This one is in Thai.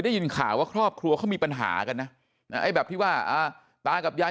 ได้ยินข่าวว่าครอบครัวเขามีปัญหากันนะไอ้แบบที่ว่าตากับยาย